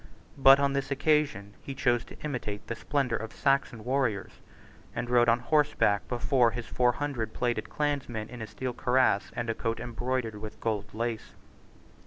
But on this occasion he chose to imitate the splendour of Saxon warriors, and rode on horseback before his four hundred plaided clansmen in a steel cuirass and a coat embroidered with gold lace.